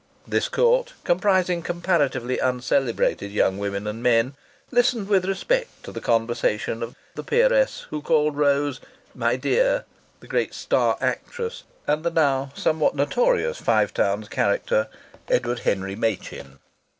This court, comprising comparatively uncelebrated young women and men, listened with respect to the conversation of the peeress who called Rose "my dear," the great star actress, and the now somewhat notorious Five Towns character, Edward Henry Machin.